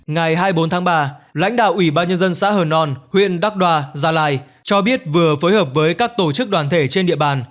ngày hai mươi bốn tháng ba lãnh đạo ủy ban nhân dân xã hờ nòn huyện đắc đoa gia lai cho biết vừa phối hợp với các tổ chức đoàn thể trên địa bàn